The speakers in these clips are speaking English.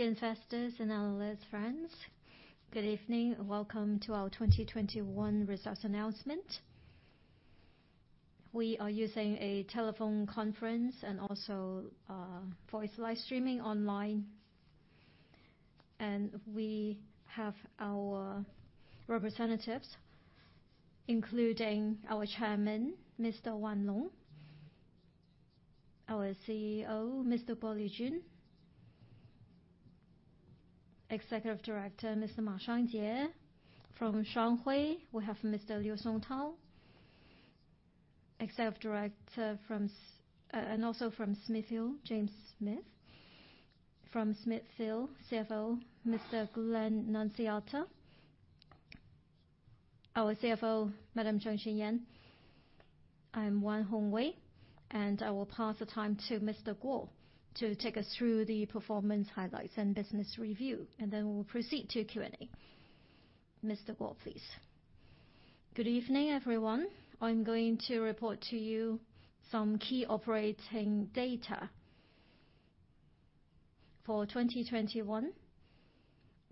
Investors and analyst friends, good evening. Welcome to our 2021 results announcement. We are using a telephone conference and also, voice live streaming online. We have our representatives, including our Chairman, Mr. Wan Long, our CEO, Mr. Guo Lijun, Executive Director, Mr. Ma Xiangjie. From Shuanghui, we have Mr. Liu Songtao, Executive Director, and also from Smithfield, Shane Smith. From Smithfield, CFO, Mr. Glenn Nunziata. Our CFO, Madam Yan Kam Yin. I'm Wan Hongwei, and I will pass the time to Mr. Guo to take us through the performance highlights and business review, and then we'll proceed to Q&A. Mr. Guo, please. Good evening, everyone. I'm going to report to you some key operating data. For 2021,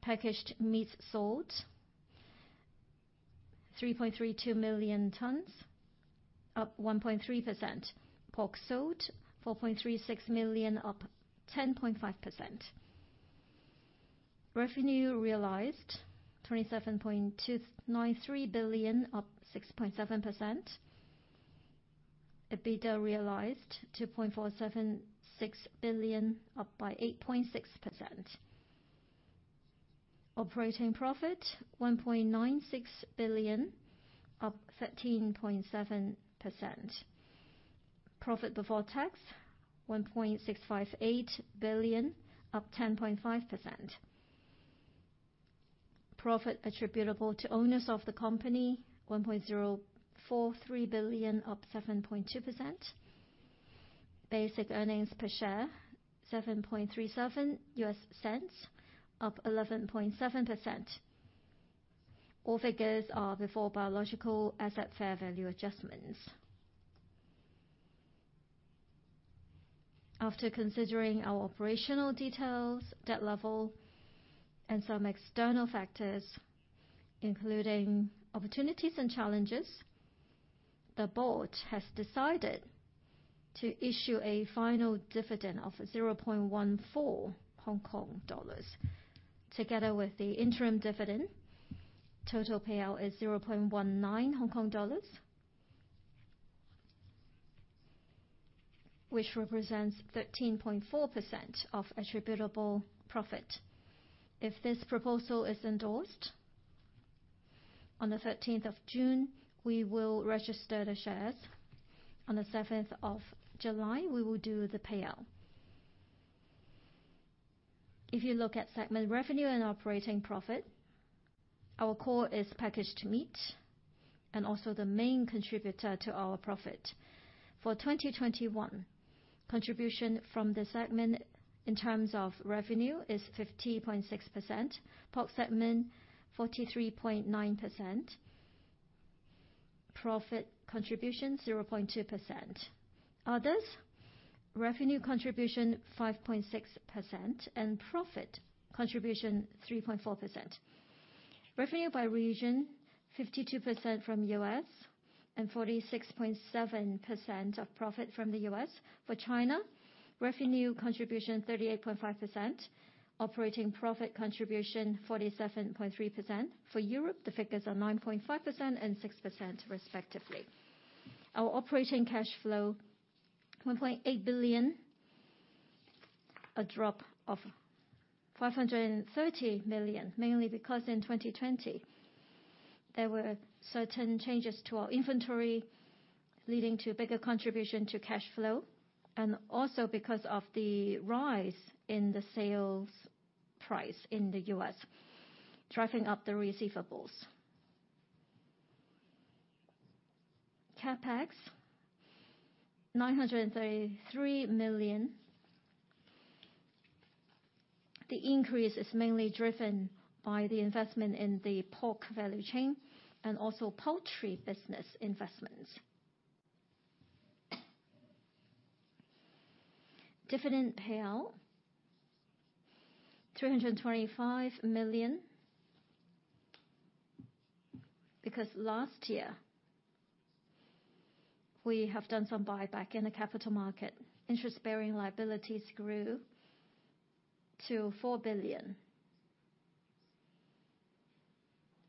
packaged meats sold 3.32 million tons, up 1.3%. Pork sold 4.36 million, up 10.5%. Revenue realized $27.293 billion, up 6.7%. EBITDA realized $2.476 billion, up 8.6%. Operating profit $1.96 billion, up 13.7%. Profit before tax $1.658 billion, up 10.5%. Profit attributable to owners of the company $1.043 billion, up 7.2%. Basic earnings per share $0.0737, up 11.7%. All figures are before biological asset fair value adjustments. After considering our operational details, debt level, and some external factors, including opportunities and challenges, the board has decided to issue a final dividend of 0.14 Hong Kong dollars. Together with the interim dividend, total payout is 0.19 Hong Kong dollars, which represents 13.4% of attributable profit. If this proposal is endorsed on the 13th of June, we will register the shares. On the 7th of July, we will do the payout. If you look at segment revenue and operating profit, our core is packaged meat and also the main contributor to our profit. For 2021, contribution from the segment in terms of revenue is 50.6%. Pork segment, 43.9%. Profit contribution, 0.2%. Others, revenue contribution, 5.6%, and profit contribution, 3.4%. Revenue by region, 52% from U.S. and 46.7% of profit from the U.S. For China, revenue contribution 38.5%, operating profit contribution 47.3%. For Europe, the figures are 9.5% and 6% respectively. Our operating cash flow, $1.8 billion, a drop of $530 million, mainly because in 2020 there were certain changes to our inventory, leading to bigger contribution to cash flow, and also because of the rise in the sales price in the U.S., driving up the receivables. CapEx, $933 million. The increase is mainly driven by the investment in the pork value chain and also poultry business investments. Dividend payout, $325 million, because last year we have done some buyback in the capital market. Interest-bearing liabilities grew to $4 billion.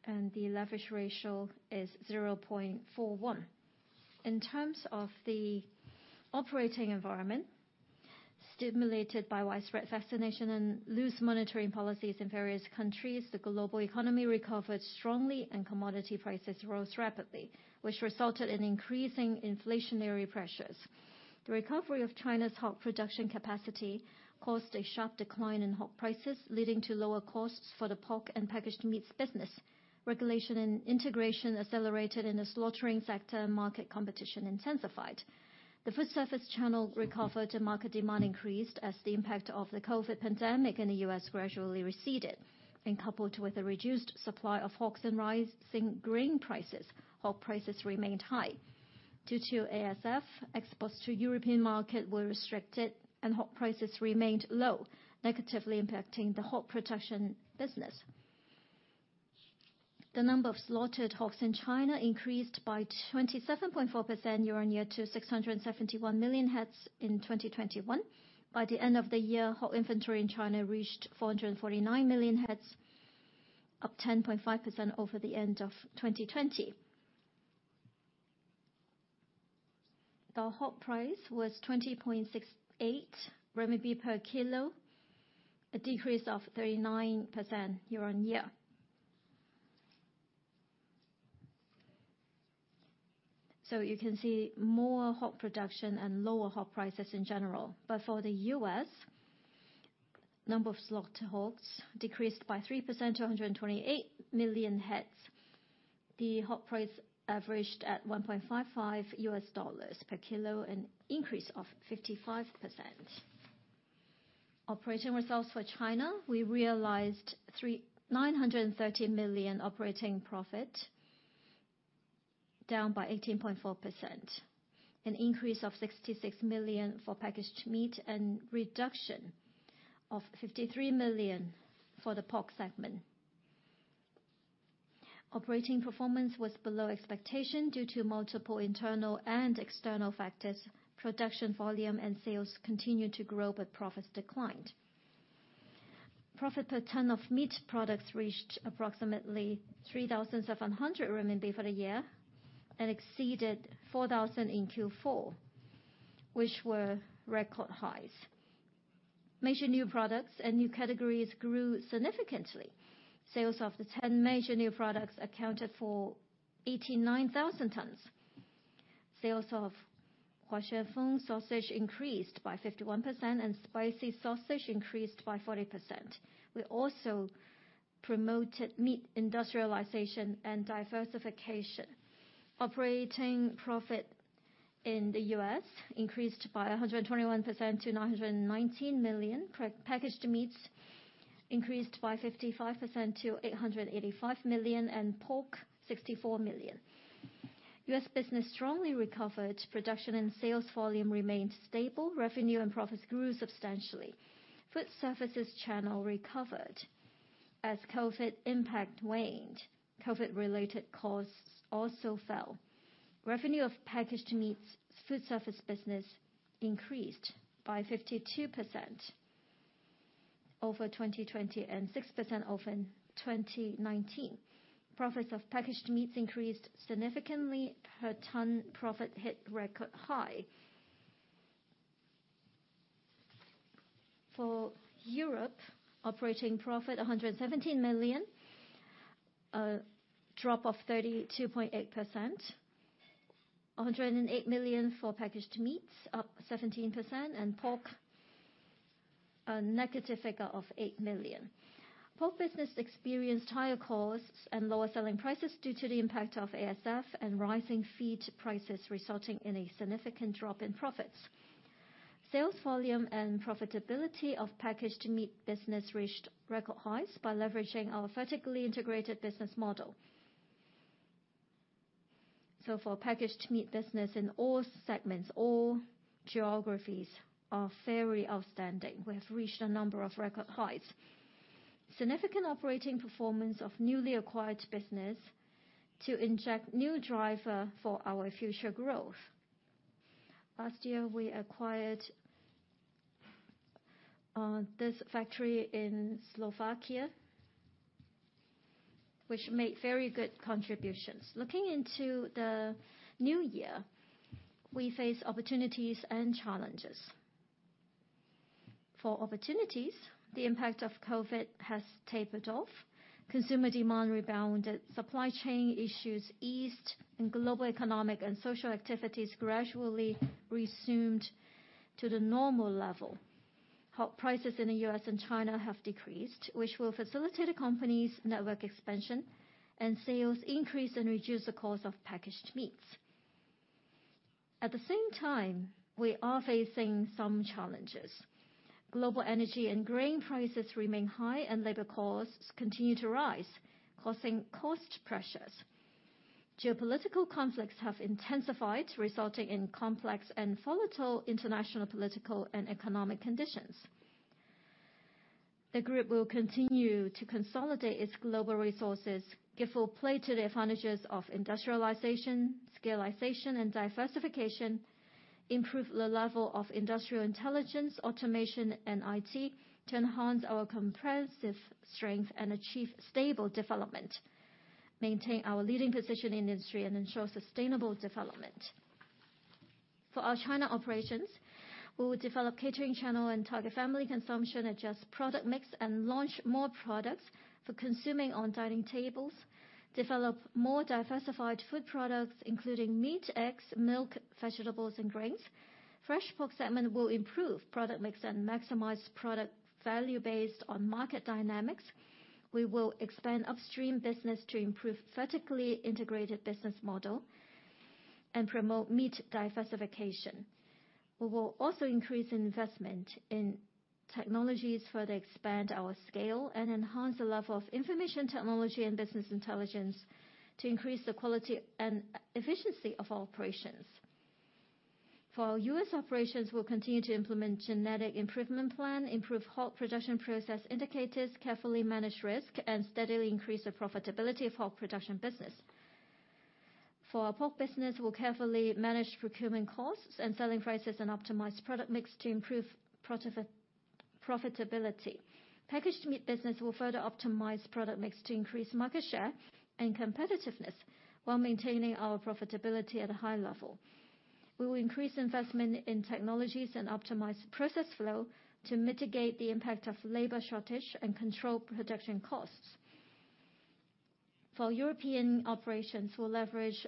The leverage ratio is 0.41. In terms of the operating environment, stimulated by widespread vaccination and loose monitoring policies in various countries, the global economy recovered strongly and commodity prices rose rapidly, which resulted in increasing inflationary pressures. The recovery of China's hog production capacity caused a sharp decline in hog prices, leading to lower costs for the pork and packaged meats business. Regulation and integration accelerated in the slaughtering sector, market competition intensified. The food service channel recovered and market demand increased as the impact of the COVID pandemic in the U.S. gradually receded, and coupled with a reduced supply of hogs and rising grain prices, hog prices remained high. Due to ASF, exports to European market were restricted and hog prices remained low, negatively impacting the hog production business. The number of slaughtered hogs in China increased by 27.4% year-on-year to 671 million heads in 2021. By the end of the year, hog inventory in China reached 449 million heads, up 10.5% over the end of 2020. The hog price was 20.68 RMB per kilo, a decrease of 39% year-on-year. You can see more hog production and lower hog prices in general. For the U.S., number of slaughtered hogs decreased by 3% to 128 million heads. The hog price averaged at $1.55 per kilo, an increase of 55%. Operating results for China, we realized 339 million operating profit, down by 18.4%. An increase of 66 million for packaged meat and reduction of 53 million for the pork segment. Operating performance was below expectation due to multiple internal and external factors. Production volume and sales continued to grow, but profits declined. Profit per ton of meat products reached approximately 3,700 RMB for the year and exceeded 4,000 in Q4, which were record highs. Major new products and new categories grew significantly. Sales of the 10 major new products accounted for 89,000 tons. Sales of Huaxiao Feng sausage increased by 51%, and spicy sausage increased by 40%. We also promoted meat industrialization and diversification. Operating profit in the U.S. increased by 121% to $919 million. Packaged meats increased by 55% to $885 million, and pork $64 million. U.S. business strongly recovered. Production and sales volume remained stable. Revenue and profits grew substantially. Food services channel recovered as COVID impact waned. COVID-related costs also fell. Revenue of packaged meats food service business increased by 52% over 2020 and 6% over 2019. Profits of packaged meats increased significantly. Per ton profit hit record high. For Europe, operating profit $117 million, a drop of 32.8%. $108 million for packaged meats, up 17%, and pork a negative figure of $8 million. Pork business experienced higher costs and lower selling prices due to the impact of ASF and rising feed prices, resulting in a significant drop in profits. Sales volume and profitability of packaged meat business reached record highs by leveraging our vertically integrated business model. For packaged meat business in all segments, all geographies are very outstanding. We have reached a number of record highs. Significant operating performance of newly acquired business to inject new driver for our future growth. Last year, we acquired this factory in Slovakia, which made very good contributions. Looking into the new year, we face opportunities and challenges. For opportunities, the impact of COVID has tapered off. Consumer demand rebounded, supply chain issues eased, and global economic and social activities gradually resumed to the normal level. Hog prices in the U.S. and China have decreased, which will facilitate the company's network expansion and sales increase and reduce the cost of packaged meats. At the same time, we are facing some challenges. Global energy and grain prices remain high and labor costs continue to rise, causing cost pressures. Geopolitical conflicts have intensified, resulting in complex and volatile international political and economic conditions. The group will continue to consolidate its global resources, give full play to the advantages of industrialization, scalability, and diversification, improve the level of industrial intelligence, automation, and IT to enhance our comprehensive strength and achieve stable development, maintain our leading position in industry, and ensure sustainable development. For our China operations, we will develop catering channel and target family consumption, adjust product mix, and launch more products for consuming on dining tables, develop more diversified food products, including meat, eggs, milk, vegetables, and grains. Fresh pork segment will improve product mix and maximize product value based on market dynamics. We will expand upstream business to improve vertically integrated business model and promote meat diversification. We will also increase investment in technologies, further expand our scale and enhance the level of information technology and business intelligence to increase the quality and efficiency of our operations. For our U.S. operations, we will continue to implement genetic improvement plan, improve hog production process indicators, carefully manage risk, and steadily increase the profitability of hog production business. For our pork business, we'll carefully manage procurement costs and selling prices and optimize product mix to improve profitability. Packaged meat business will further optimize product mix to increase market share and competitiveness, while maintaining our profitability at a high level. We will increase investment in technologies and optimize process flow to mitigate the impact of labor shortage and control production costs. For European operations, we'll leverage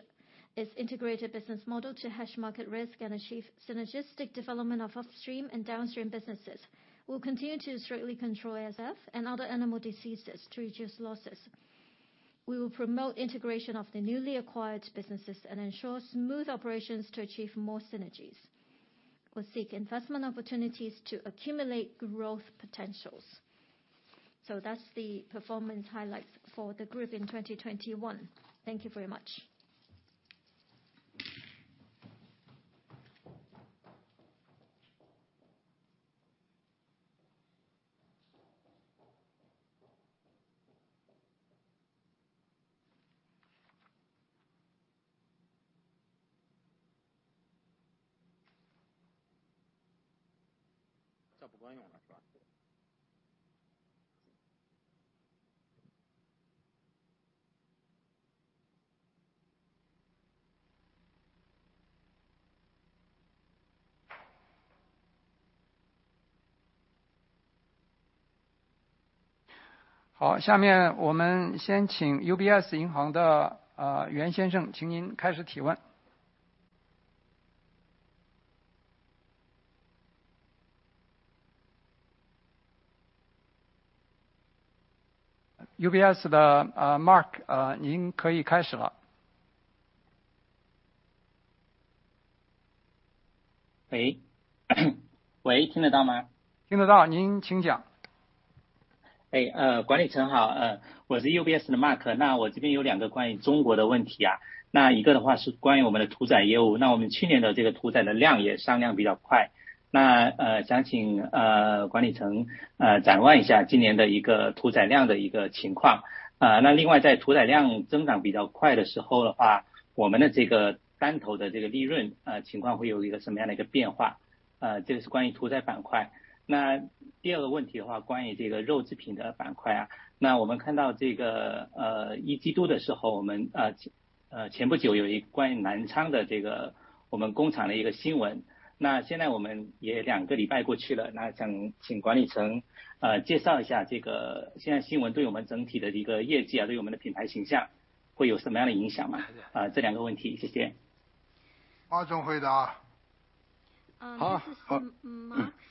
its integrated business model to hedge market risk and achieve synergistic development of upstream and downstream businesses. We'll continue to strictly control ASF and other animal diseases to reduce losses. We will promote integration of the newly acquired businesses and ensure smooth operations to achieve more synergies. We'll seek investment opportunities to accumulate growth potentials. That's the performance highlights for the group in 2021. Thank you very much. 好，下面我们先请UBS银行的Mark先生，请您开始提问。UBS的Mark，您可以开始了。喂喂，听得到吗？ 听得到，您请讲。管理层好，我是UBS的Mark，我这边有两个关于中国的问题。一个是关于我们的屠宰业务，我们去年的屠宰量上量比较快，想请管理层展望一下今年的屠宰量的情况。那另外在屠宰量增长比较快的时候，我们的单头利润情况会有什么样的变化？这个是关于屠宰板块。那第二个问题，关于肉制品的板块，我们看到一季度的时候，前不久有一个关于南昌双汇工厂的新闻，现在两个礼拜过去了，想请管理层介绍一下这个新闻对我们整体的业绩、对我们的品牌形象会有什么样的影响。这两个问题，谢谢。马总回答。This is Mark from UBS.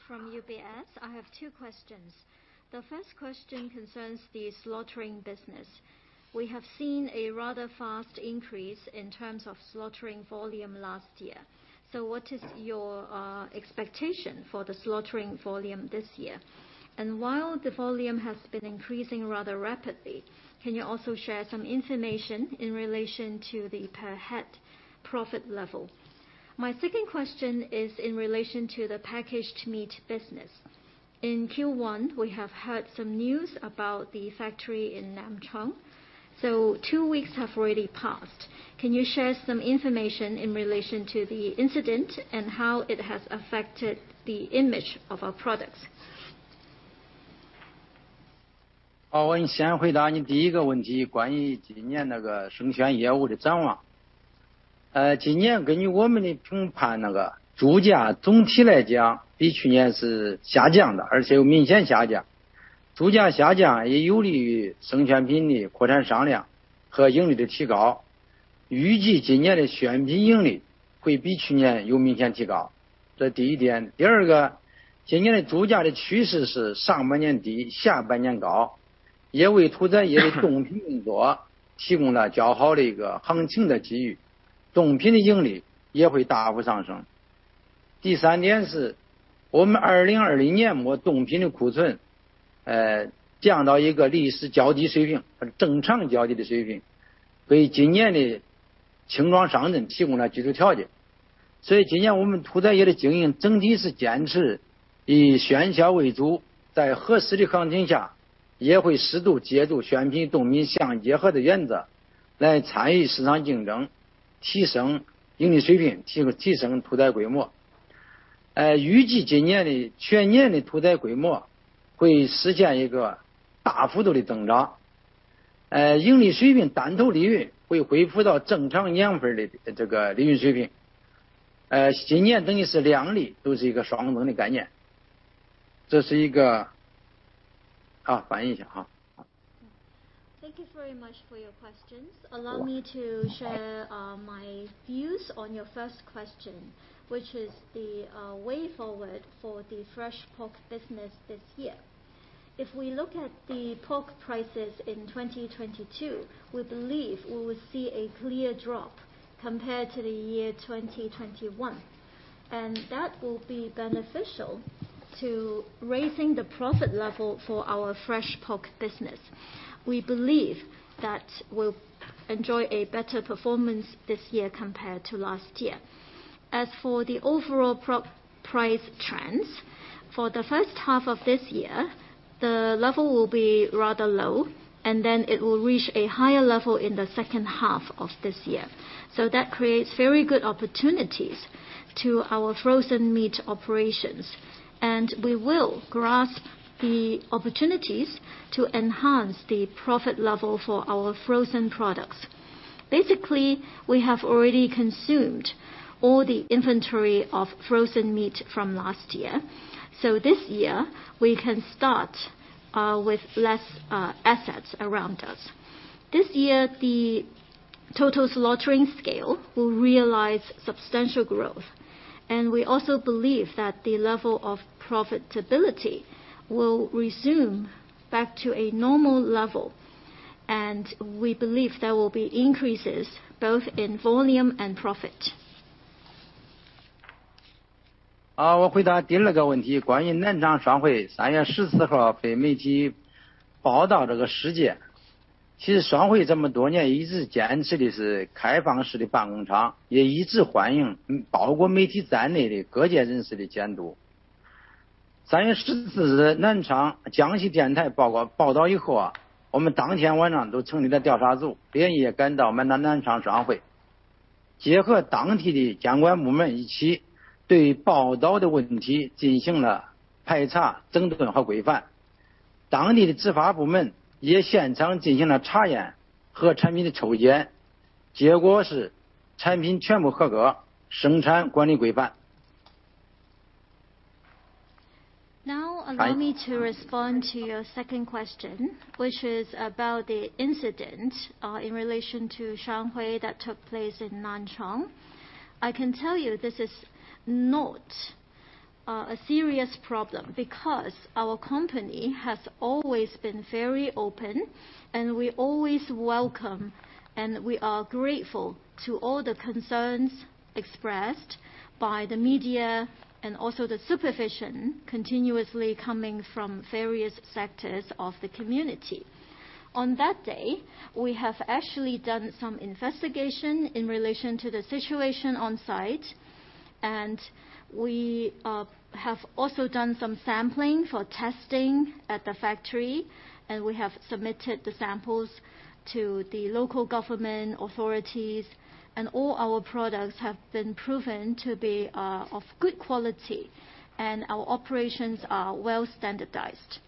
I have two questions. The first question concerns the slaughtering business. We have seen a rather fast increase in terms of slaughtering volume last year. What is your expectation for the slaughtering volume this year? While the volume has been increasing rather rapidly, can you also share some information in relation to the per head profit level? My second question is in relation to the packaged meat business. In Q1, we have heard some news about the factory in Nanchang. Two weeks have already passed. Can you share some information in relation to the incident and how it has affected the image of our products? 好，翻译一下哈。Thank you very much for your questions. Allow me to share my views on your first question, which is the way forward for the fresh pork business this year. If we look at the pork prices in 2022, we believe we will see a clear drop compared to the year 2021. That will be beneficial to raising the profit level for our fresh pork business. We believe that we'll enjoy a better performance this year compared to last year. As for the overall price trends, for the first half of this year, the level will be rather low, and then it will reach a higher level in the second half of this year. That creates very good opportunities to our frozen meat operations, and we will grasp the opportunities to enhance the profit level for our frozen products. Basically, we have already consumed all the inventory of frozen meat from last year, so this year we can start with less assets around us. This year, the total slaughtering scale will realize substantial growth, and we also believe that the level of profitability will resume back to a normal level. We believe there will be increases both in volume and profit. 我回答第二个问题，关于南昌双汇三月十四号被媒体报道这个事件。其实双汇这么多年一直坚持的是开放式的工厂，也一直欢迎包括媒体在内的各界人士的监督。三月十四日南昌江西电台报道以后，我们当天晚上就成立了调查组，连夜赶到我们南昌双汇，结合当地的监管部门一起对报道的问题进行了排查、整顿和规范。当地的执法部门也现场进行了查验和产品的抽检，结果是产品全部合格，生产管理规范。Now allow me to respond to your second question, which is about the incident in relation to Shuanghui that took place in Nanchang. I can tell you this is not a serious problem, because our company has always been very open and we always welcome and we are grateful to all the concerns expressed by the media and also the supervision continuously coming from various sectors of the community. On that day, we have actually done some investigation in relation to the situation on site, and we have also done some sampling for testing at the factory, and we have submitted the samples to the local government authorities, and all our products have been proven to be of good quality, and our operations are well standardized.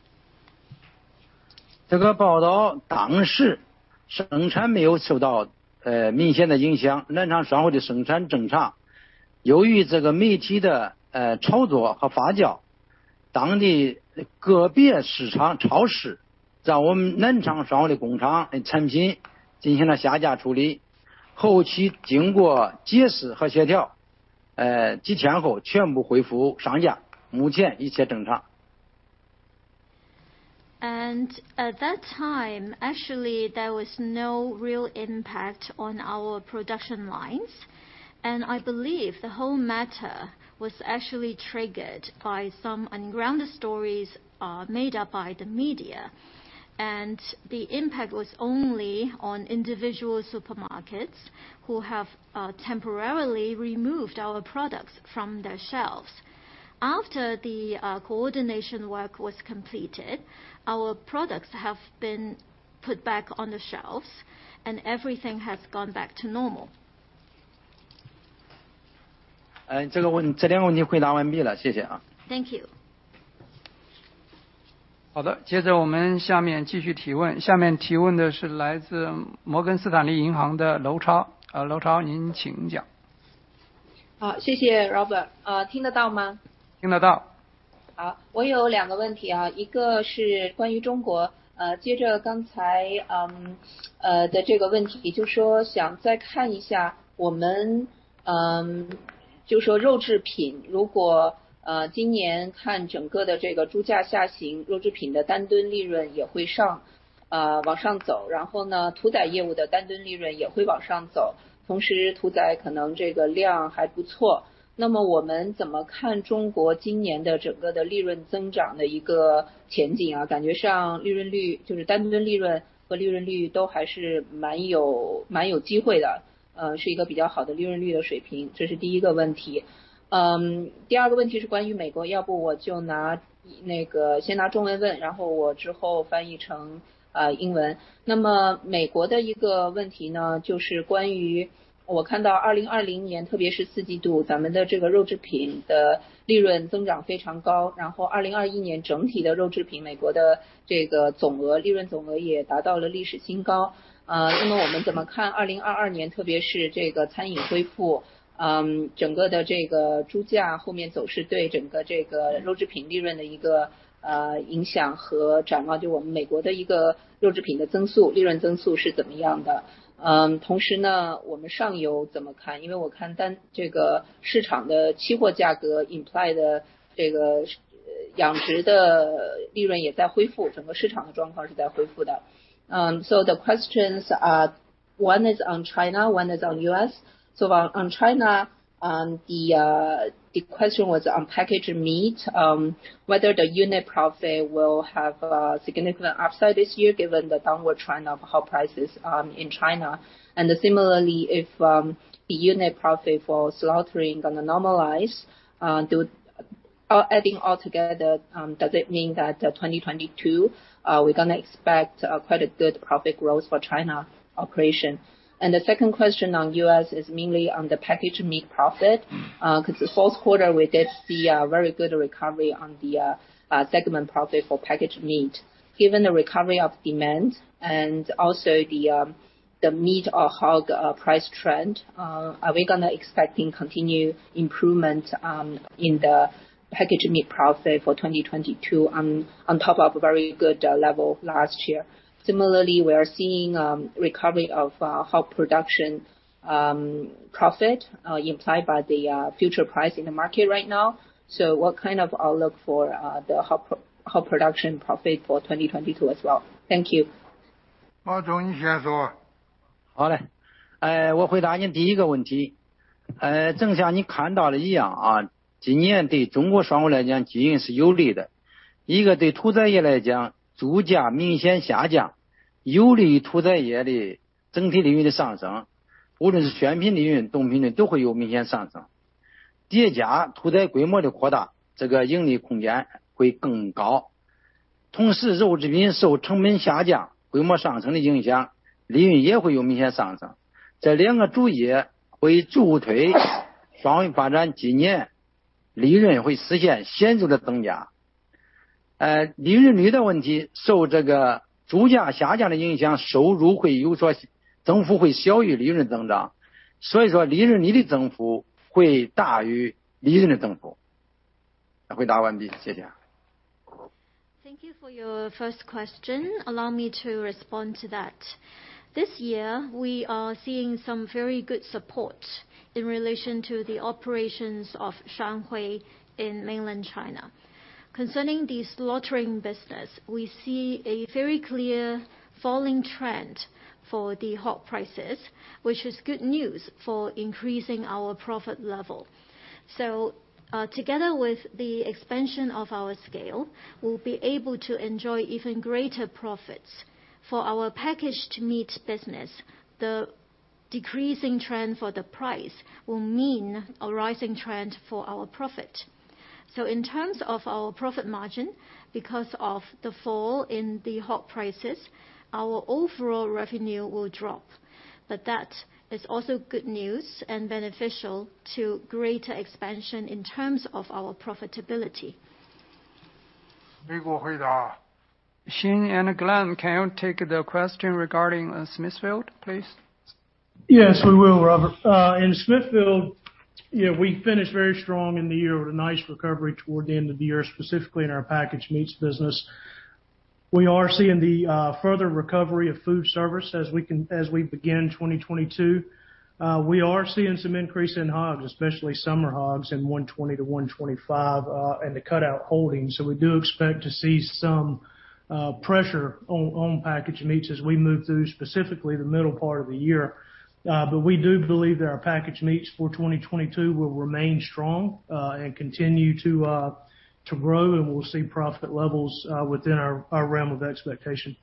这个报道当时生产没有受到明显的影响，南昌双汇的生产正常。由于这个媒体的炒作和发酵，当地个别市场超市让我们南昌双汇的工厂产品进行了下架处理。后期经过解释和协调，几天后全部恢复上架，目前一切正常。At that time, actually there was no real impact on our production lines. I believe the whole matter was actually triggered by some ungrounded stories made up by the media. The impact was only on individual supermarkets who have temporarily removed our products from their shelves. After the coordination work was completed, our products have been put back on the shelves, and everything has gone back to normal. 这两个问题回答完毕了，谢谢。Thank you. 好的，接着我们下面继续提问。下面提问的是来自摩根士丹利的娄超。娄超，您请讲。好，谢谢 Robert。听得到吗？ 听得到。imply 的这个 养殖的利润也在恢复，整个市场的状况是在恢复的. The questions are one is on China, one is on U.S. On China. The question was on packaged meat, whether the unit profit will have a significant upside this year given the downward trend of hog prices in China. Similarly, if the unit profit for slaughtering gonna normalize, adding all together, does it mean that 2022 we're gonna expect quite a good profit growth for China operation? The second question on U.S. is mainly on the packaged meat profit, because the fourth quarter we did see a very good recovery on the segment profit for packaged meat. Given the recovery of demand and also the meat or hog price trend, are we gonna expecting continued improvement in the packaged meat profit for 2022 on top of a very good level last year? Similarly, we are seeing recovery of hog production profit implied by the future price in the market right now. What kind of outlook for the hog production profit for 2022 as well? Thank you. 马总，你先说。Thank you for your first question. Allow me to respond to that. This year we are seeing some very good support in relation to the operations of Shuanghui in Mainland China. Concerning the slaughtering business, we see a very clear falling trend for the hog prices, which is good news for increasing our profit level. Together with the expansion of our scale, we'll be able to enjoy even greater profits. For our packaged meat business, the decreasing trend for the price will mean a rising trend for our profit. In terms of our profit margin, because of the fall in the hog prices, our overall revenue will drop. That is also good news and beneficial to greater expansion in terms of our profitability. 美国回答。Shane and Glenn, can you take the question regarding Smithfield, please? Yes, we will, Robert. In Smithfield, yeah, we finished very strong in the year with a nice recovery toward the end of the year, specifically in our packaged meats business. We are seeing the further recovery of food service as we begin 2022. We are seeing some increase in hogs, especially summer hogs in $120-$125, in the cutout holdings. We do expect to see some pressure on packaged meats as we move through specifically the middle part of the year. We do believe that our packaged meats for 2022 will remain strong and continue to grow, and we'll see profit levels within our realm of expectation.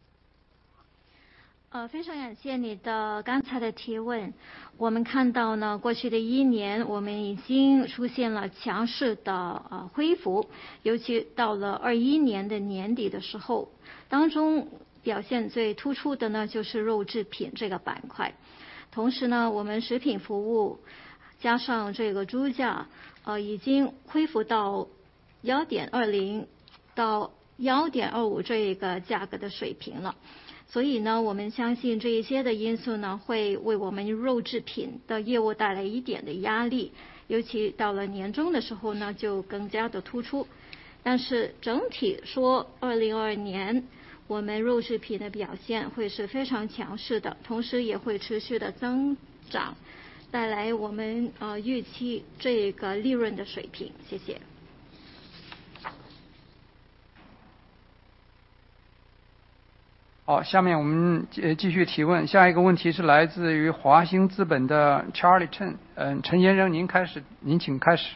好，下面我们继续提问。下一个问题是来自于华兴资本的Charlie Chen。陈先生，您请开始。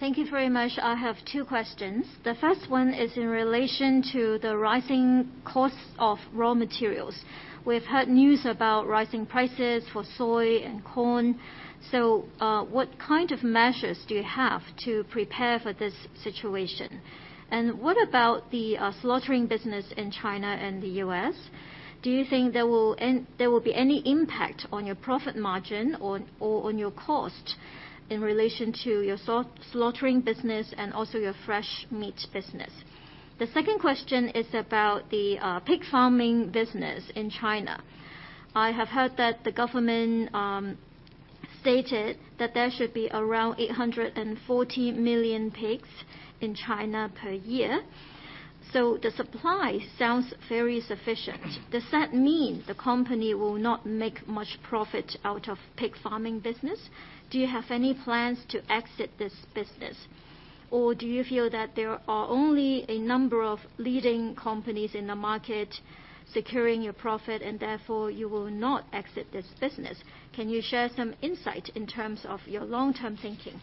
Thank you very much. I have two questions. The first one is in relation to the rising costs of raw materials. We've heard news about rising prices for soy and corn. What kind of measures do you have to prepare for this situation? What about the slaughtering business in China and the U.S.? Do you think there will be any impact on your profit margin or on your cost in relation to your slaughtering business and also your fresh meat business? The second question is about the pig farming business in China. I have heard that the government stated that there should be around 840 million pigs in China per year, so the supply sounds very sufficient. Does that mean the company will not make much profit out of pig farming business? Do you have any plans to exit this business, or do you feel that there are only a number of leading companies in the market securing your profit and therefore you will not exit this business? Can you share some insight in terms of your long term thinking?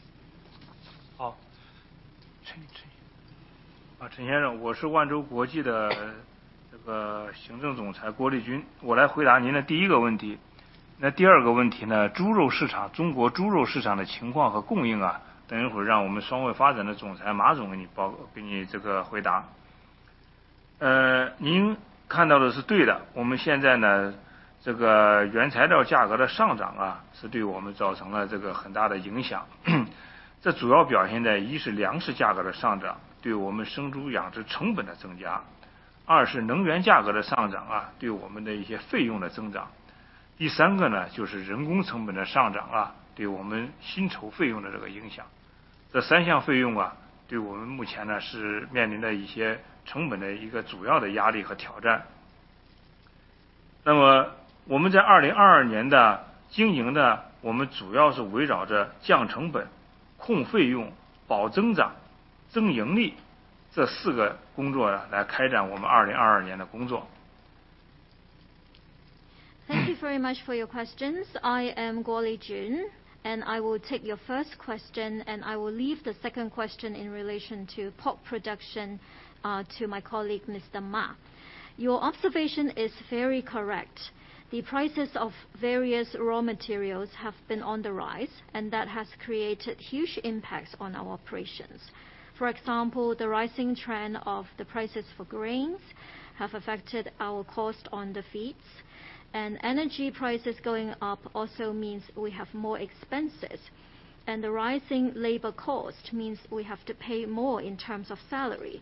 Thank you very much for your questions. I am Guo Lijun and I will take your first question, and I will leave the second question in relation to pork production to my colleague Mr. Ma. Your observation is very correct. The prices of various raw materials have been on the rise and that has created huge impacts on our operations. For example, the rising trend of the prices for grains have affected our cost on the feeds. Energy prices going up also means we have more expenses. The rising labor cost means we have to pay more in terms of salary.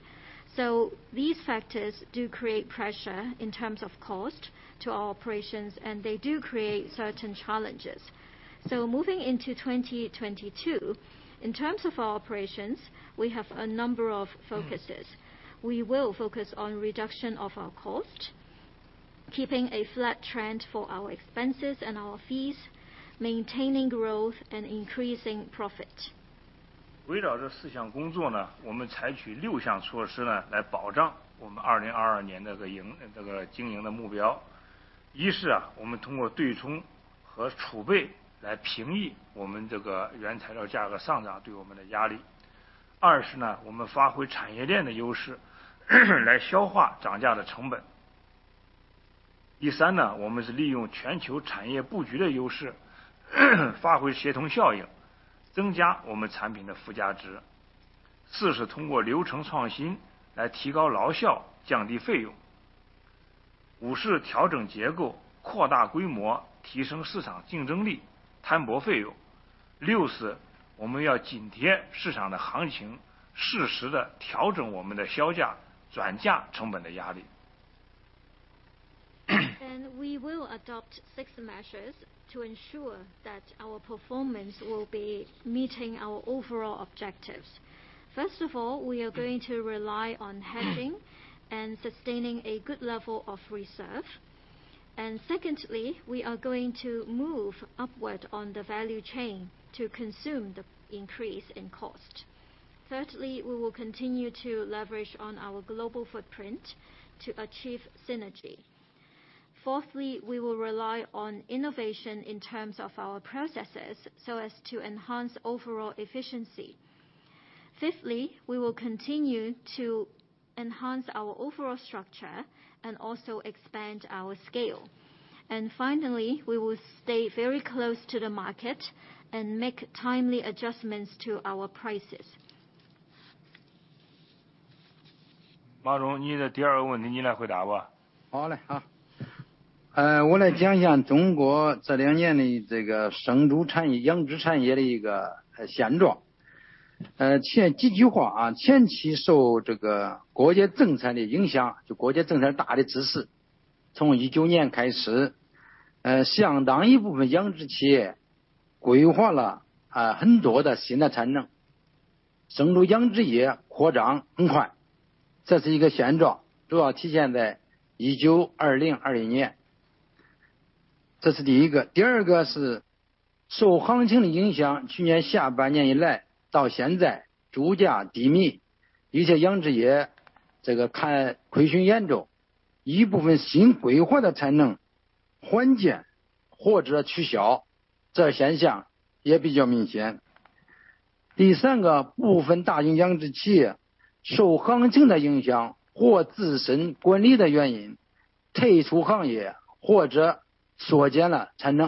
These factors do create pressure in terms of cost to our operations, and they do create certain challenges. Moving into 2022, in terms of our operations, we have a number of focuses. We will focus on reduction of our cost, keeping a flat trend for our expenses and our fees, maintaining growth and increasing profit. We will adopt six measures to ensure that our performance will be meeting our overall objectives. First of all, we are going to rely on hedging and sustaining a good level of reserve. Secondly, we are going to move upward on the value chain to consume the increase in cost. Thirdly, we will continue to leverage on our global footprint to achieve synergy. Fourthly, we will rely on innovation in terms of our processes so as to enhance overall efficiency. Fifthly, we will continue to enhance our overall structure and also expand our scale. Finally, we will stay very close to the market and make timely adjustments to our prices. 马总，你的第二个问题你来回答吧。I will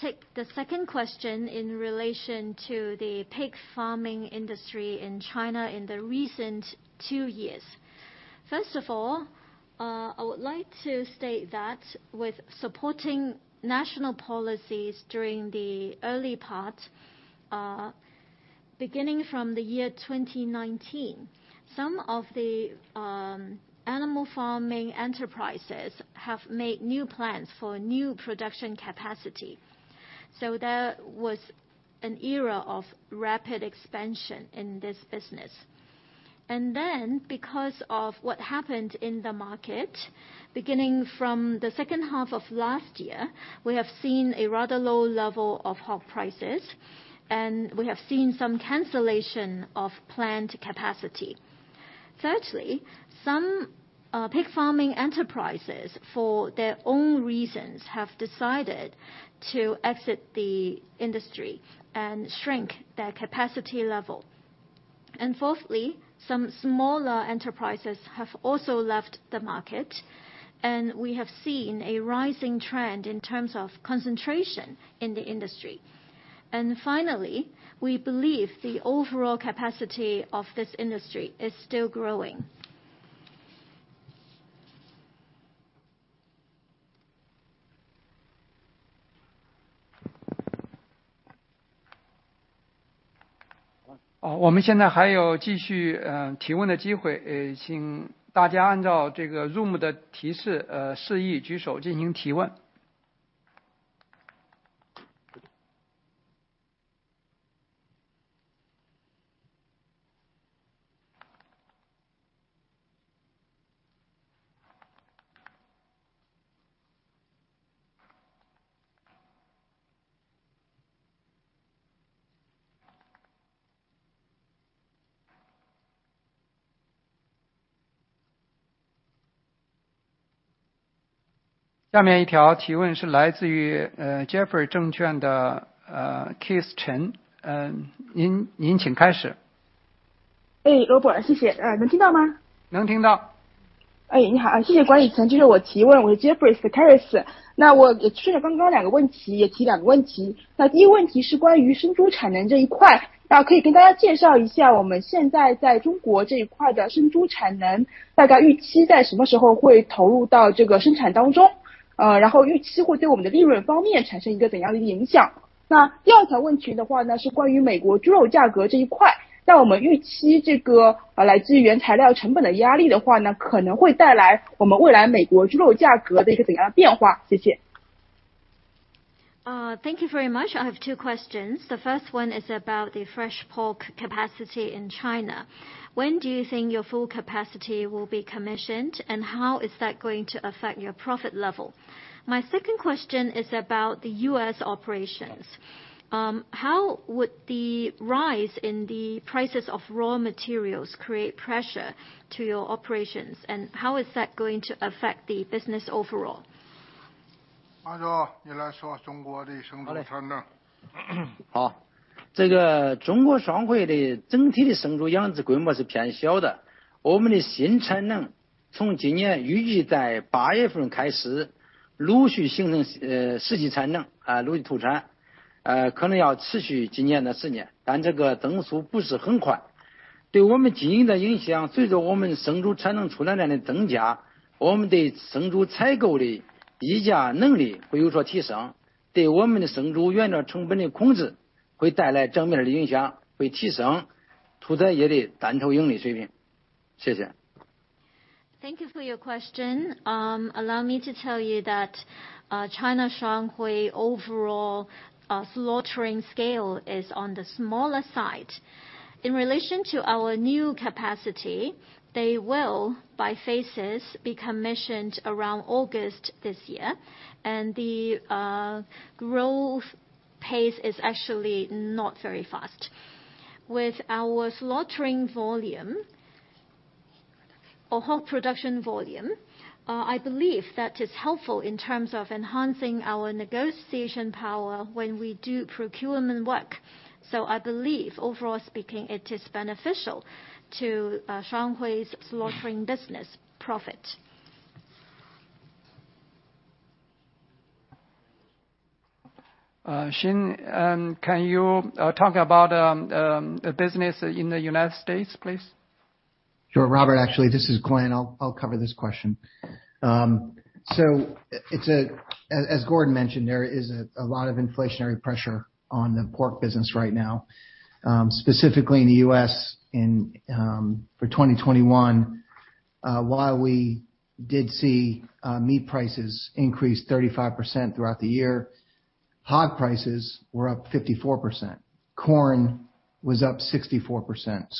take the second question in relation to the pig farming industry in China in the recent two years. First of all, I would like to state that with supporting national policies during the early part, beginning from the year 2019, some of the animal farming enterprises have made new plans for new production capacity. There was an era of rapid expansion in this business. Because of what happened in the market, beginning from the second half of last year, we have seen a rather low level of hog prices, and we have seen some cancellation of planned capacity. Thirdly, some pig farming enterprises, for their own reasons, have decided to exit the industry and shrink their capacity level. Fourthly, some smaller enterprises have also left the market, and we have seen a rising trend in terms of concentration in the industry. Finally, we believe the overall capacity of this industry is still growing. 我们现在还有继续提问的机会，请大家按照Zoom的提示示意举手进行提问。下面一条提问是来自于Jefferies证券的Kerith Chen，您请开始。罗伯特，谢谢。能听到吗？ 能听到。你好，谢谢管理层选择我提问，我是Jefferies的Kerith Chen。那我持续刚刚两个问题，也提两个问题。那第一个问题是关于生猪产能这一块，那可以跟大家介绍一下我们现在在中国这一块的生猪产能，大概预期在什么时候会投入到这个生产当中，然后预期会对我们的利润方面产生一个怎样的影响。那第二条问题的话呢，是关于美国猪肉价格这一块，那我们预期这个来自于原材料成本的压力的话呢，可能会带来我们未来美国猪肉价格的一个怎样的变化？谢谢。Thank you very much. I have two questions. The first one is about the fresh pork capacity in China. When do you think your full capacity will be commissioned, and how is that going to affect your profit level? My second question is about the U.S. Operations. How would the rise in the prices of raw materials create pressure to your operations, and how is that going to affect the business overall? Thank you for your question. Allow me to tell you that, Shuanghui overall, slaughtering scale is on the smaller side. In relation to our new capacity, they will, by phases, be commissioned around August this year, and the growth pace is actually not very fast. With our slaughtering volume or hog production volume, I believe that is helpful in terms of enhancing our negotiation power when we do procurement work. I believe overall speaking, it is beneficial to Shuanghui's slaughtering business profit. Shane, can you talk about business in the United States, please? Sure. Robert. Actually, this is Glenn. I'll cover this question. It's as Gordon mentioned, there is a lot of inflationary pressure on the pork business right now, specifically in the U.S. in 2021. While we did see meat prices increase 35% throughout the year. Hog prices were up 54%, corn was up 64%,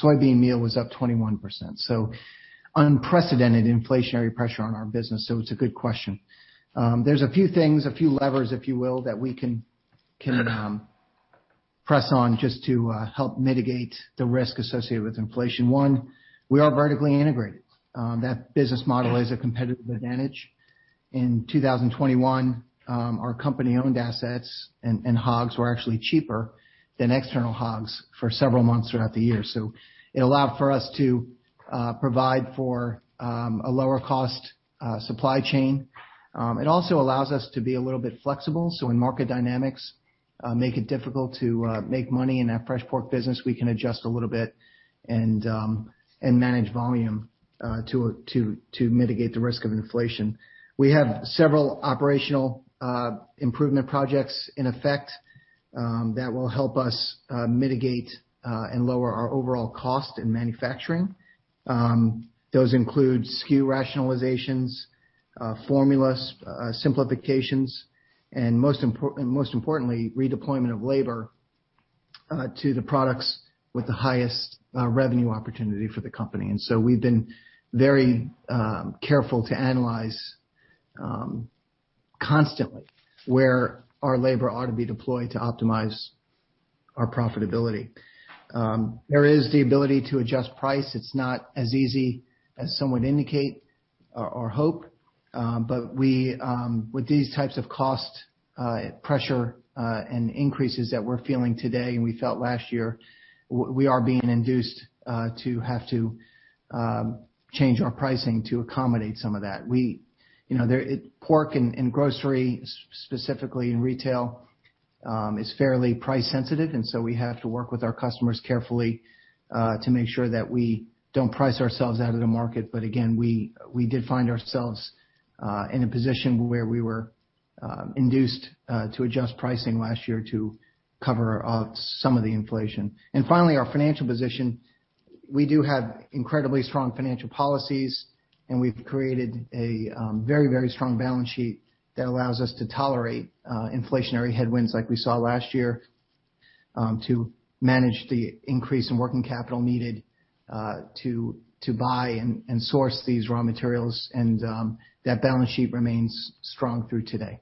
soybean meal was up 21%. Unprecedented inflationary pressure on our business. It's a good question. There's a few things, a few levers, if you will, that we can press on just to help mitigate the risk associated with inflation. One, we are vertically integrated. That business model is a competitive advantage. In 2021, our company-owned assets and hogs were actually cheaper than external hogs for several months throughout the year. It allowed for us to provide for a lower cost supply chain. It also allows us to be a little bit flexible, so when market dynamics make it difficult to make money in our fresh pork business, we can adjust a little bit and manage volume to mitigate the risk of inflation. We have several operational improvement projects in effect that will help us mitigate and lower our overall cost in manufacturing. Those include SKU rationalizations, formulas, simplifications, and most importantly, redeployment of labor to the products with the highest revenue opportunity for the company. We've been very careful to analyze constantly where our labor ought to be deployed to optimize our profitability. There is the ability to adjust price. It's not as easy as some would indicate or hope, but we, with these types of cost pressure and increases that we're feeling today and we felt last year, we are being induced to have to change our pricing to accommodate some of that. You know, pork and grocery, specifically in retail, is fairly price sensitive, and so we have to work with our customers carefully to make sure that we don't price ourselves out of the market. But again, we did find ourselves in a position where we were induced to adjust pricing last year to cover some of the inflation. Finally, our financial position. We do have incredibly strong financial policies, and we've created a very, very strong balance sheet that allows us to tolerate inflationary headwinds like we saw last year, to manage the increase in working capital needed to buy and source these raw materials. That balance sheet remains strong through today.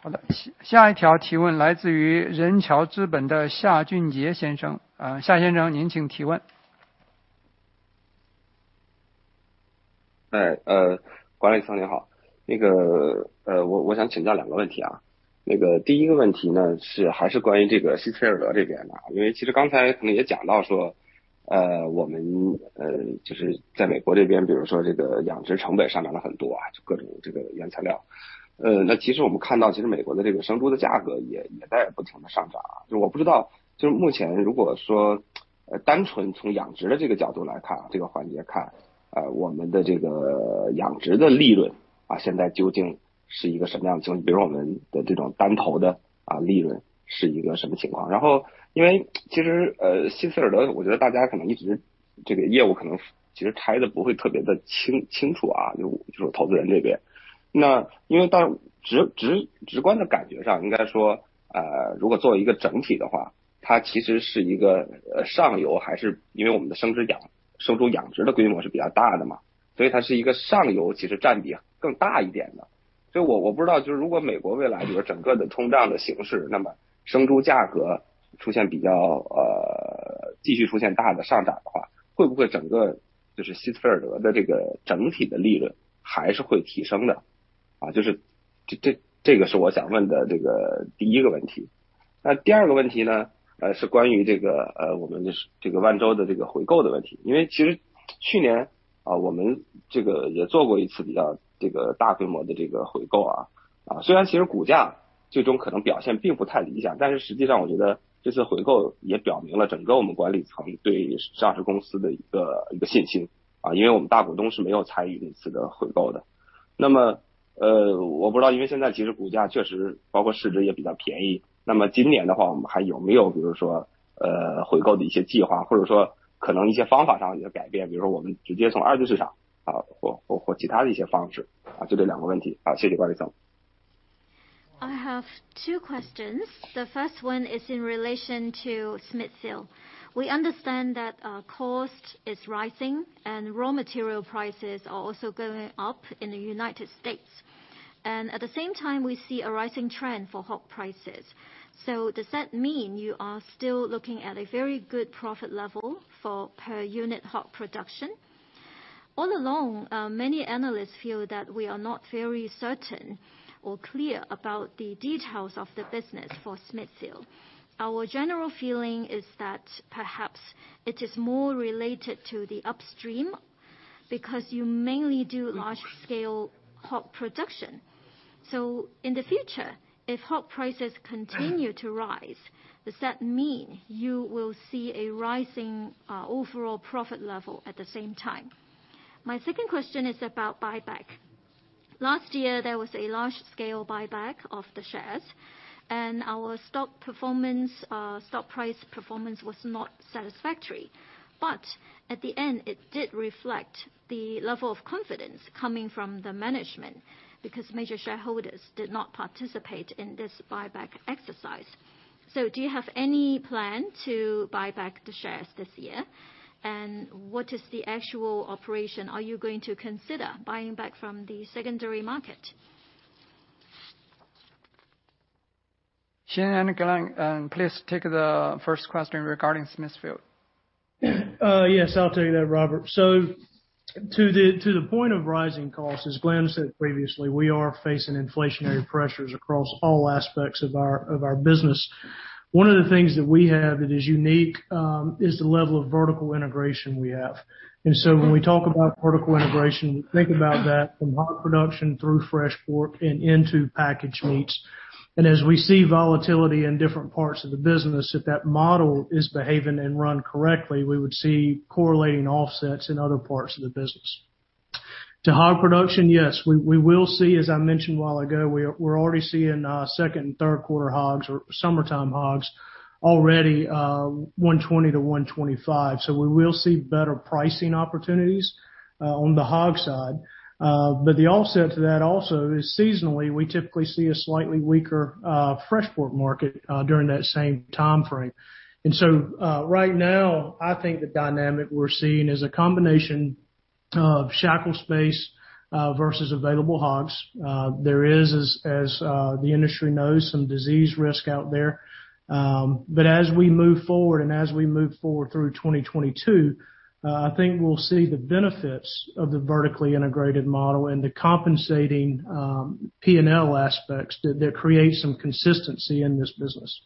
好的，下一条提问来自于仁桥资产的夏俊杰先生，夏先生您请提问。I have two questions. The first one is in relation to Smithfield. We understand that cost is rising and raw material prices are also going up in the United States. At the same time we see a rising trend for hog prices. Does that mean you are still looking at a very good profit level for per unit hog production? All along, many analysts feel that we are not very certain or clear about the details of the business for Smithfield. Our general feeling is that perhaps it is more related to the upstream, because you mainly do large scale hog production. In the future, if hog prices continue to rise, does that mean you will see a rising overall profit level at the same time? My second question is about buyback. Last year there was a large scale buyback of the shares, and our stock performance stock price performance was not satisfactory, but at the end, it did reflect the level of confidence coming from the management, because major shareholders did not participate in this buyback exercise. Do you have any plan to buy back the shares this year? What is the actual operation? Are you going to consider buying back from the secondary market? Shane and Glenn, please take the first question regarding Smithfield. Yes, I'll tell you that, Robert. To the point of rising costs, as Glenn said previously, we are facing inflationary pressures across all aspects of our business. One of the things that we have that is unique is the level of vertical integration we have. When we talk about vertical integration, think about that from hog production through fresh pork and into packaged meats. As we see volatility in different parts of the business, if that model is behaving and run correctly, we would see correlating offsets in other parts of the business. To hog production, yes, we will see, as I mentioned a while ago, we're already seeing second and third quarter hogs or summertime hogs already $120-$125, so we will see better pricing opportunities on the hog side. The offset to that also is seasonally we typically see a slightly weaker fresh pork market during that same time frame. Right now, I think the dynamic we're seeing is a combination of shackle space versus available hogs. There is, as the industry knows, some disease risk out there. As we move forward through 2022, I think we'll see the benefits of the vertically integrated model and the compensating P&L aspects that create some consistency in this business.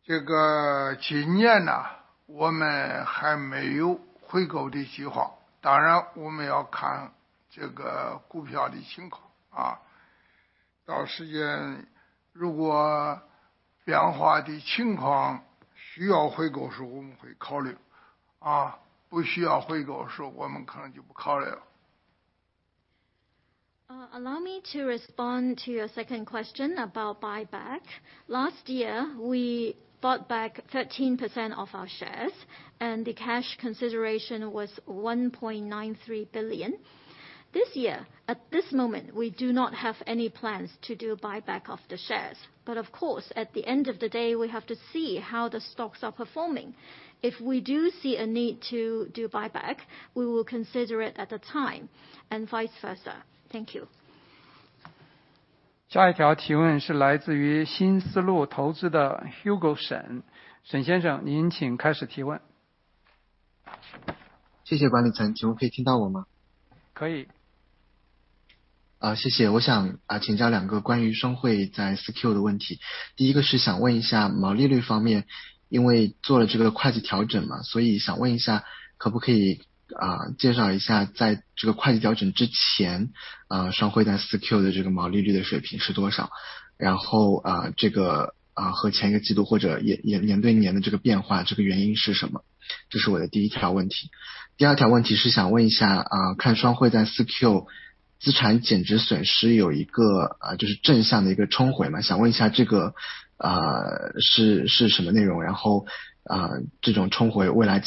好，我来回答。我是万隆啊，我来回答你关于万洲的回购。这个去年呢，我们回购了43%的股份，付出了19亿3千万元的现金。这个今年呢，我们还没有回购的计划，当然我们要看这个股票的情况啊，到时间如果变化的情况需要回购时，我们会考虑啊，不需要回购时，我们可能就不考虑了。Allow me to respond to your second question about buy back. Last year we bought back 13% of our shares and the cash consideration was $1.93 billion. This year, at this moment, we do not have any plans to do a buyback of the shares. Of course, at the end of the day, we have to see how the stocks are performing. If we do see a need to do buyback, we will consider it at the time and vice versa. Thank you. I think. 这个问题 I have two questions. The first one is in relation to the gross profit level. I would like to ask about the year-on-year trend or period-on-period trend before the accounting adjustments were made. My second question is in relation to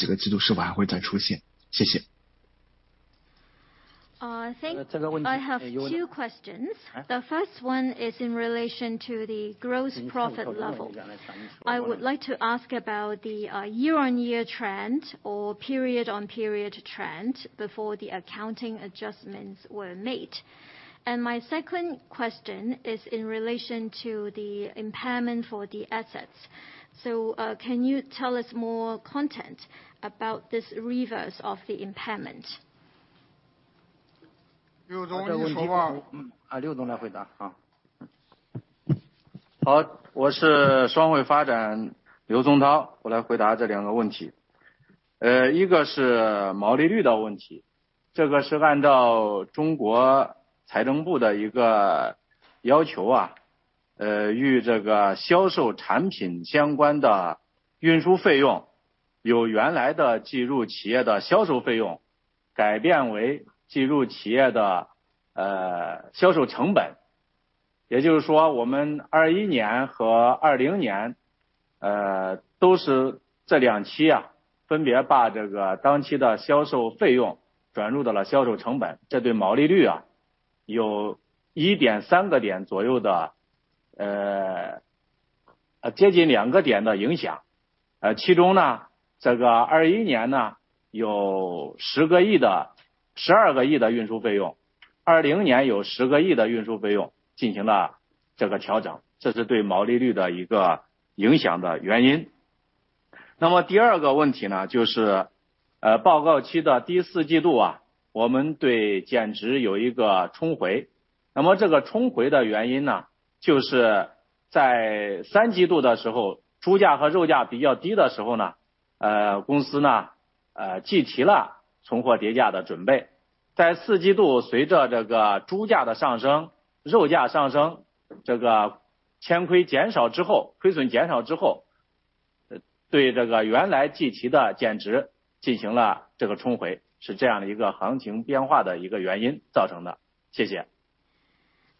the impairment for the assets. Can you tell us more context about this reversal of the impairment? 刘总，您说话。刘总来回答。好。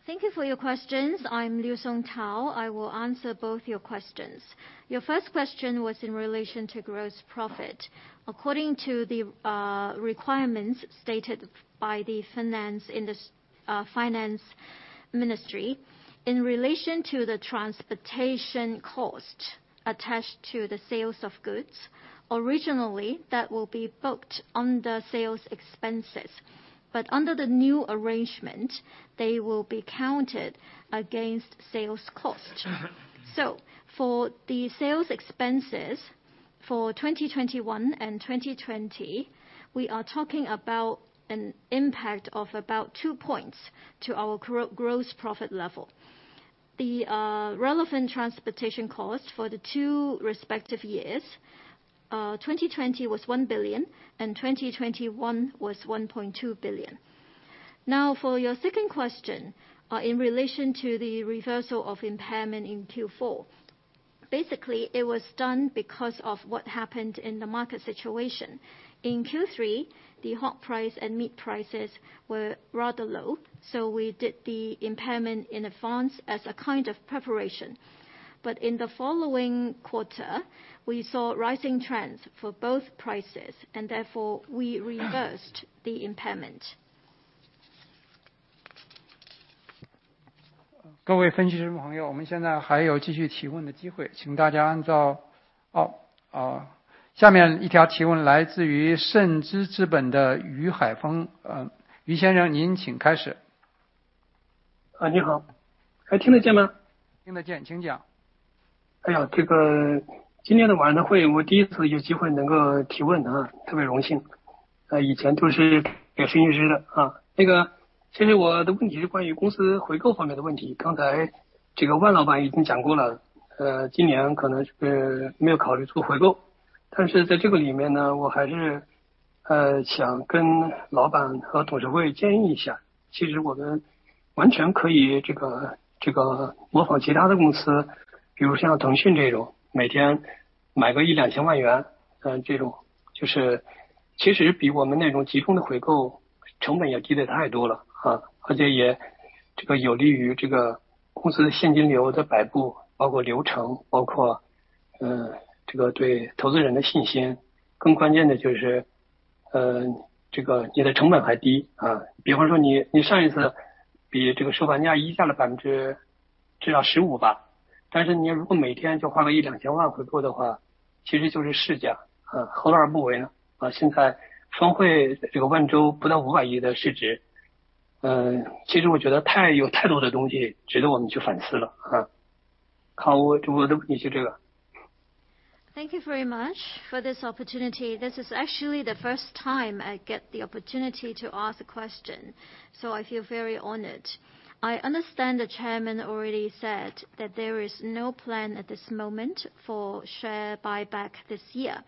Thank you for your questions. I'm Liu Songtao. I will answer both your questions. Your first question was in relation to gross profit. According to the requirements stated by the Ministry of Finance in relation to the transportation cost attached to the sales of goods, originally that will be booked under sales expenses, but under the new arrangement, they will be counted against sales cost. For the sales expenses for 2021 and 2020, we are talking about an impact of about two points to our gross profit level. The relevant transportation cost for the two respective years, 2020 was $1 billion and 2021 was $1.2 billion. Now for your second question, in relation to the reversal of impairment in Q4. Basically it was done because of what happened in the market situation. In Q3, the hog price and meat prices were rather low, so we did the impairment in advance as a kind of preparation. In the following quarter, we saw rising trends for both prices and therefore we reversed the impairment. 各位分析师朋友，我们现在还有继续提问的机会，请大家按照……下面一条提问来自于慎知资产的余海峰。余先生，您请开始。啊，你好，还听得见吗？ 听得见，请讲。Thank you very much for this opportunity. This is actually the first time I get the opportunity to ask the question, so I feel very honored. I understand the chairman already said that there is no plan at this moment for share buyback this year.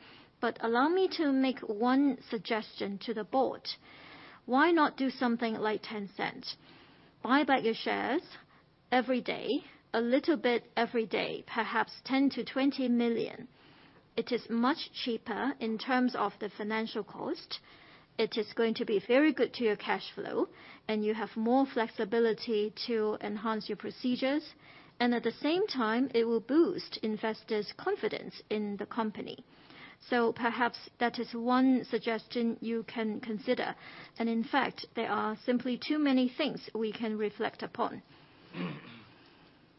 Allow me to make one suggestion to the board, why not do something like $0.10? Buy back your shares every day, a little bit every day, perhaps $10 million-$20 million. It is much cheaper in terms of the financial cost. It is going to be very good to your cash flow and you have more flexibility to enhance your procedures. At the same time, it will boost investors' confidence in the company. Perhaps that is one suggestion you can consider. In fact, there are simply too many things we can reflect upon.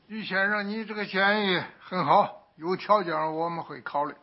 于先生，你这个建议很好，有条件我们会考虑。That is an excellent suggestion and we will definitely give some serious thought to it.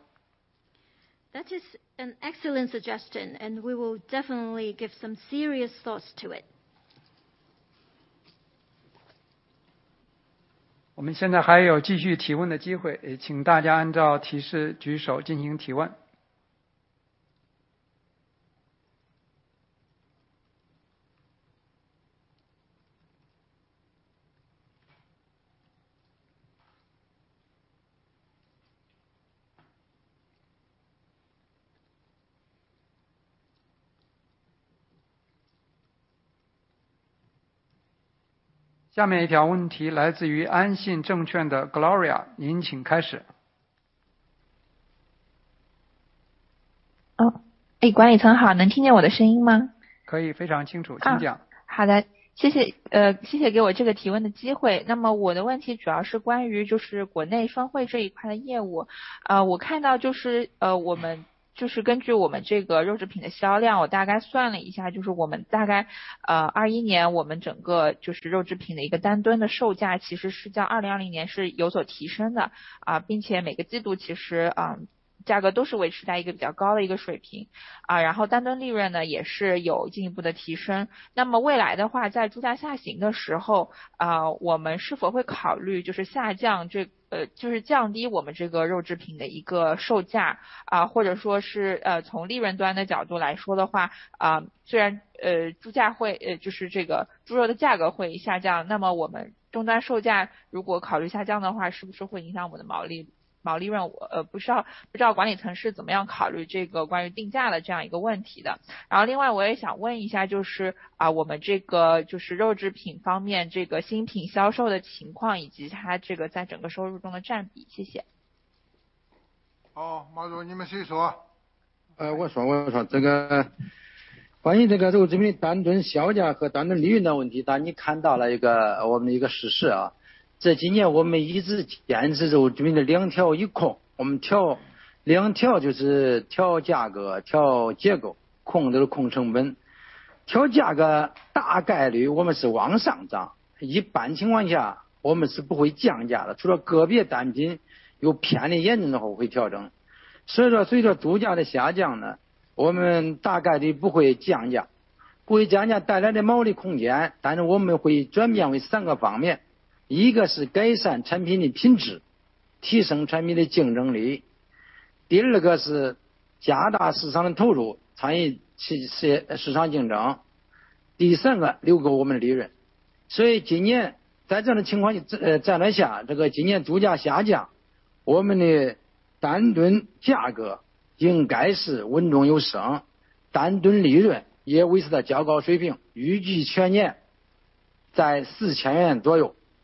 还请翻译。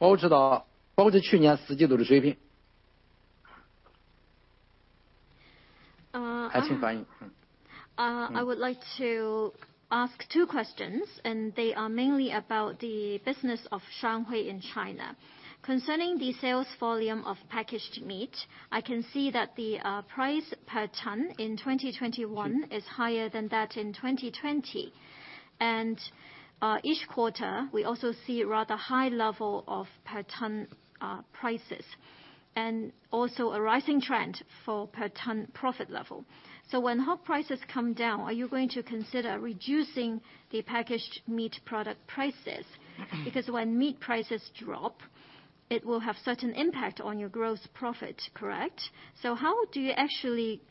I would like to ask two questions and they are mainly about the business of Shuanghui in China. Concerning the sales volume of packaged meat, I can see that the price per ton in 2021 is higher than that in 2020. Each quarter we also see rather high level of per ton prices. Also a rising trend for per ton profit level. When hog prices come down, are you going to consider reducing the packaged meat product prices? Because when meat prices drop, it will have certain impact on your gross profit, correct? How do you actually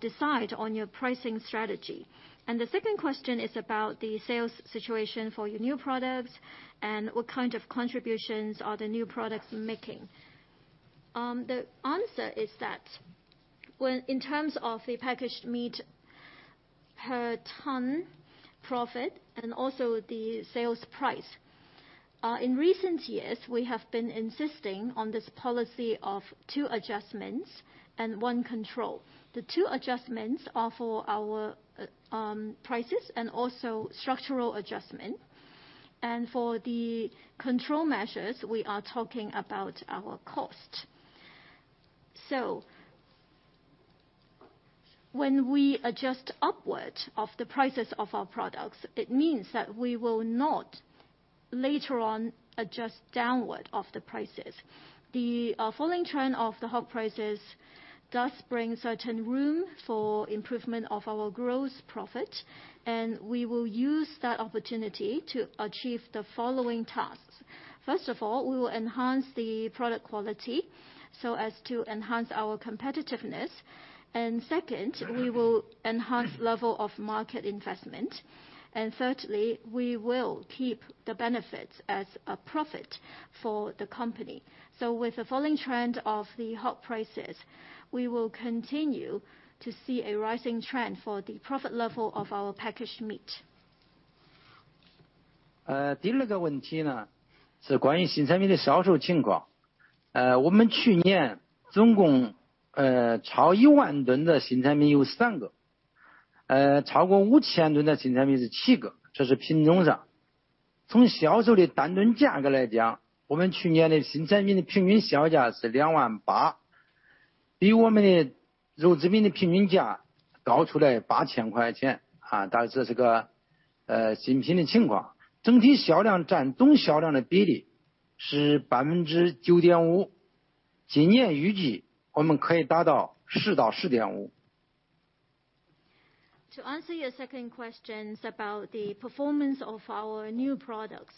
decide on your pricing strategy? The second question is about the sales situation for your new products and what kind of contributions are the new products making. The answer is that when in terms of the packaged meat per ton profit and also the sales price, in recent years, we have been insisting on this policy of two adjustments and one control. The two adjustments are for our prices and also structural adjustment. For the control measures, we are talking about our cost. When we adjust upward of the prices of our products, it means that we will not later on adjust downward of the prices. The falling trend of the hog prices does bring certain room for improvement of our gross profit, and we will use that opportunity to achieve the following tasks. First of all, we will enhance the product quality so as to enhance our competitiveness. Second, we will enhance level of market investment. Thirdly, we will keep the benefits as a profit for the company. With the falling trend of the hog prices, we will continue to see a rising trend for the profit level of our packaged meat. To answer your second questions about the performance of our new products.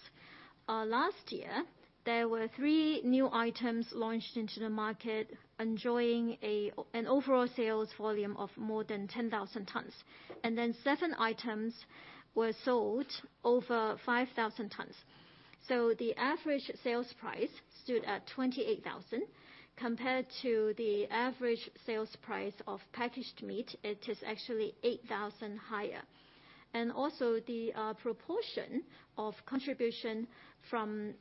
Last year, there were three new items launched into the market, enjoying an overall sales volume of more than 10,000 tons. Seven items were sold over 5,000 tons. The average sales price stood at $28,000. Compared to the average sales price of packaged meat, it is actually $8,000 higher. The proportion of contribution from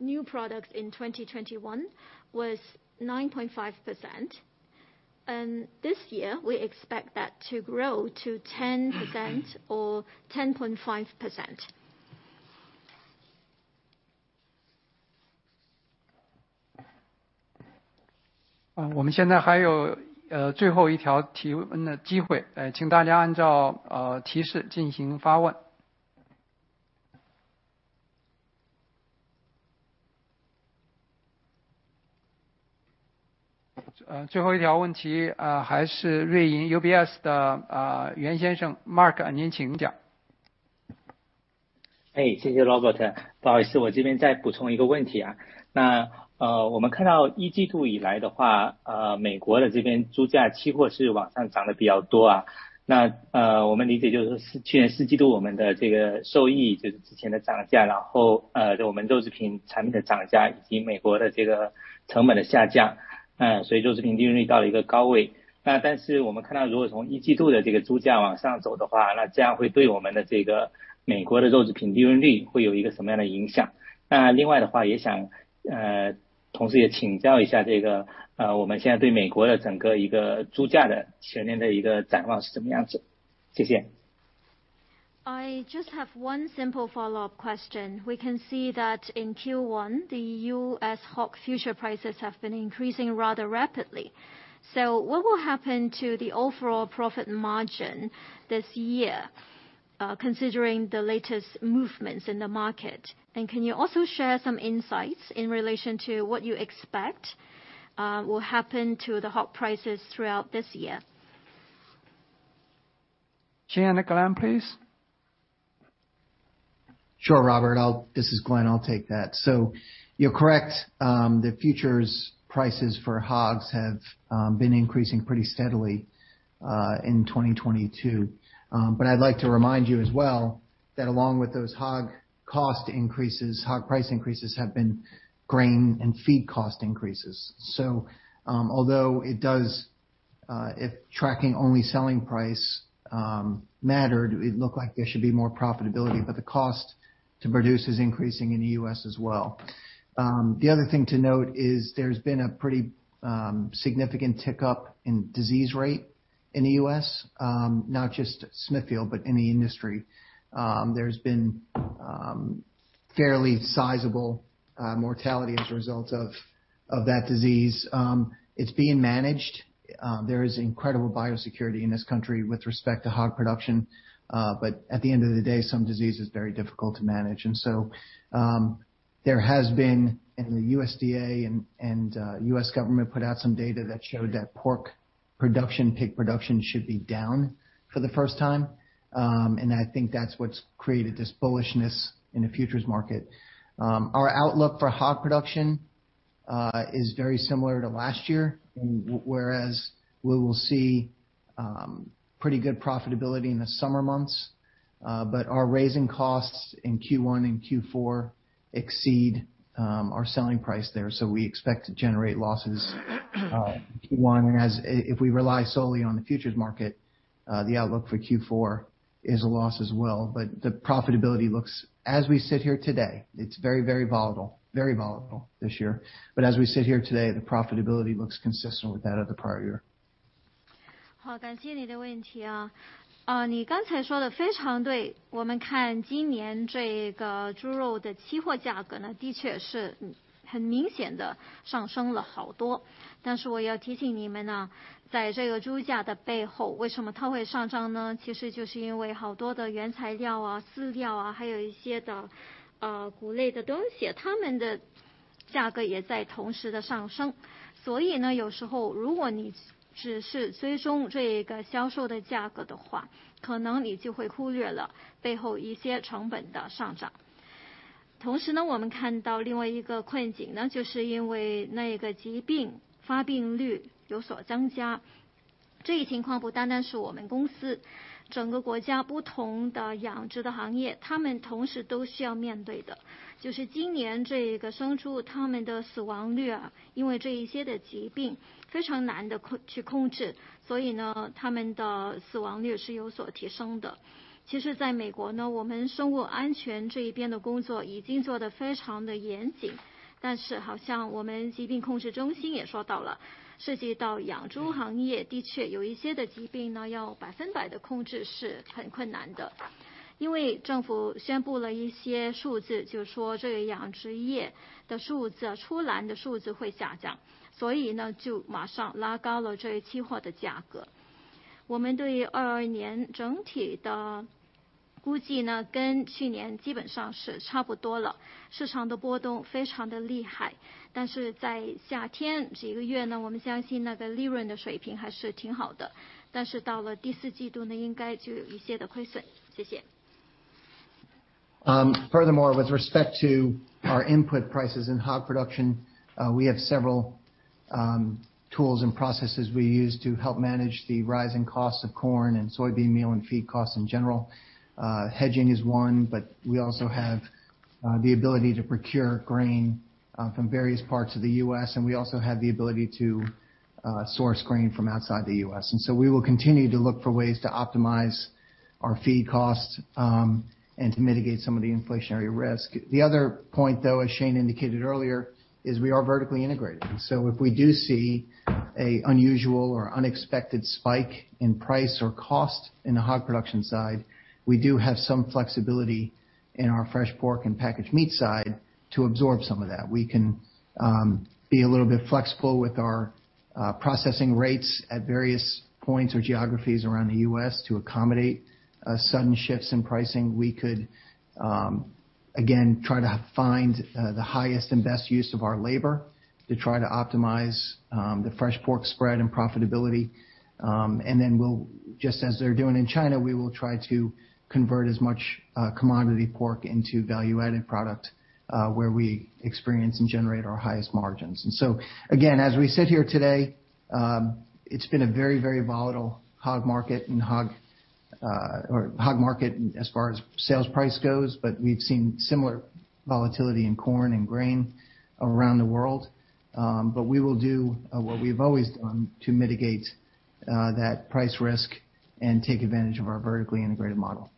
new products in 2021 was 9.5%. This year, we expect that to grow to 10% or 10.5%. Hey, thank you, Robert. I just have one simple follow-up question. We can see that in Q1, the U.S. hog future prices have been increasing rather rapidly. What will happen to the overall profit margin this year, considering the latest movements in the market? Can you also share some insights in relation to what you expect will happen to the hog prices throughout this year? Glenn, please. Sure, Robert. This is Glenn. I'll take that. You're correct. The futures prices for hogs have been increasing pretty steadily in 2022. I'd like to remind you as well that along with those hog cost increases, hog price increases have been grain and feed cost increases. Although it does, if tracking only selling price, mattered, it looked like there should be more profitability, but the cost to produce is increasing in the U.S. as well. The other thing to note is there's been a pretty significant tick up in disease rate in the U.S., not just Smithfield, but in the industry. There's been fairly sizable mortality as a result of that disease. It's being managed. There is incredible biosecurity in this country with respect to hog production. At the end of the day, some disease is very difficult to manage. There has been in the USDA and U.S. government put out some data that showed that pork production, pig production should be down for the first time. I think that's what's created this bullishness in the futures market. Our outlook for hog production is very similar to last year, whereas we will see pretty good profitability in the summer months, but our raising costs in Q1 and Q4 exceed our selling price there. We expect to generate losses Q1 if we rely solely on the futures market, the outlook for Q4 is a loss as well. The profitability looks as we sit here today, it's very, very volatile. Very volatile this year. As we sit here today, the profitability looks consistent with that of the prior year. Furthermore, with respect to our input prices in hog production, we have several tools and processes we use to help manage the rising costs of corn and soybean meal and feed costs in general. Hedging is one, but we also have the ability to procure grain from various parts of the U.S., and we also have the ability to source grain from outside the U.S. We will continue to look for ways to optimize our feed costs and to mitigate some of the inflationary risk. The other point though, as Shane indicated earlier, is we are vertically integrated. If we do see an unusual or unexpected spike in price or cost in the hog production side, we do have some flexibility in our fresh pork and packaged meat side to absorb some of that. We can be a little bit flexible with our processing rates at various points or geographies around the U.S. to accommodate sudden shifts in pricing. We could again try to find the highest and best use of our labor to try to optimize the fresh pork spread and profitability. We'll just as they're doing in China, we will try to convert as much commodity pork into value-added product where we experience and generate our highest margins. Again, as we sit here today, it's been a very, very volatile hog market or hog market as far as sales price goes. We've seen similar volatility in corn and grain around the world. We will do what we've always done to mitigate that price risk and take advantage of our vertically integrated model.